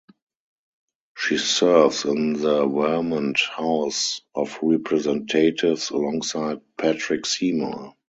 She serves in the Vermont House of Representatives alongside Patrick Seymour.